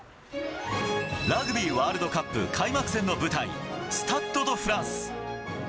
ラグビーワールドカップ開幕戦の舞台、スタッド・ド・フランス。